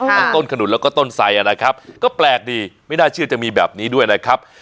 ต้นขนุนแล้วก็ต้นไสนะครับก็แปลกดีไม่น่าเชื่อจะมีแบบนี้ด้วยนะครับ